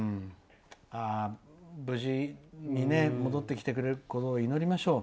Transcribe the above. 無事に戻ってきてくれることを祈りましょう。